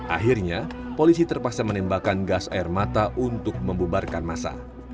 akhirnya polisi terpaksa menembakkan gas air mata untuk membubarkan masa